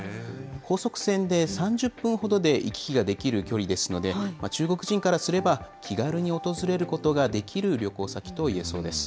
高速船で３０分ほどで行き来ができる距離ですので、中国人からすれば、気軽に訪れることができる旅行先といえそうです。